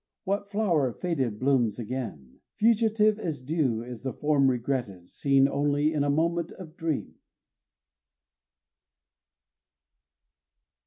What flower faded blooms again? Fugitive as dew Is the form regretted, Seen only In a moment of dream.